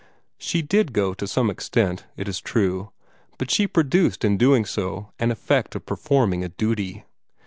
She did go to some extent, it is true, but she produced, in doing so, an effect of performing a duty.